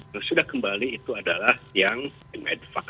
yang sudah kembali itu adalah yang di medfak